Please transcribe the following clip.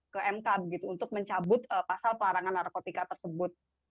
ke mk gitu untuk mencabut pasal pelarangan narkotika tersebut